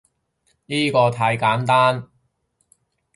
依個太簡單